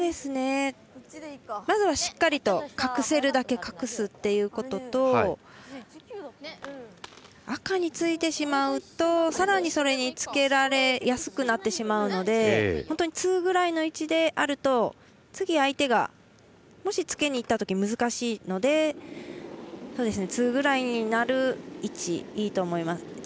まずはしっかりと隠せるだけ隠すということと赤についてしまうとさらにそれにつけられやすくなるので本当にツーぐらいの位置であると次、相手がもしつけにいったとしたら難しいのでツーぐらいになる位置でいいと思います。